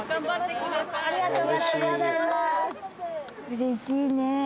うれしいね。